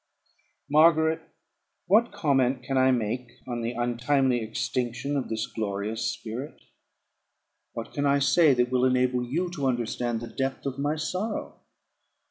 Margaret, what comment can I make on the untimely extinction of this glorious spirit? What can I say, that will enable you to understand the depth of my sorrow?